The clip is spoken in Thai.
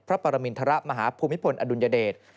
ปรมินทรมาฮภูมิพลอดุลยเดช